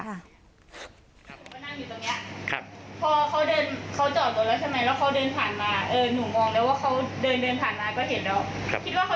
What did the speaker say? เดินเข้ามาถึงนี้แล้วมาแล้วหนูก็เลยเตือนมาทางทุกเย็น